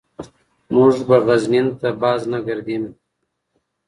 موږ بغزنین ته بازنګردیم.